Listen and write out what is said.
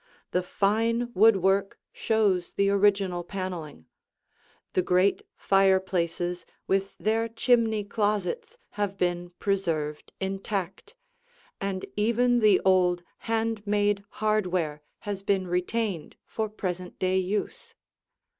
The fine woodwork shows the original paneling; the great fireplaces with their chimney closets have been preserved intact, and even the old, hand made hardware has been retained for present day use.